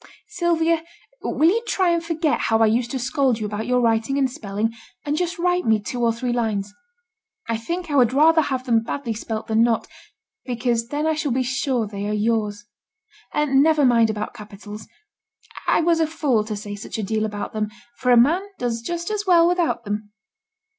'Sylvia, will you try and forget how I used to scold you about your writing and spelling, and just write me two or three lines. I think I would rather have them badly spelt than not, because then I shall be sure they are yours. And never mind about capitals; I was a fool to say such a deal about them, for a man does just as well without them.